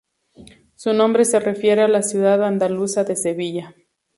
Su nombre se refiere a la ciudad andaluza de Sevilla.